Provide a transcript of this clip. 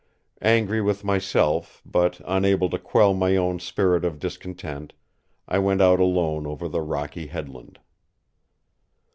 Angry with myself, but unable to quell my own spirit of discontent, I went out alone over the rocky headland.